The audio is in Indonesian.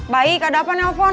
baik ada apa nelpon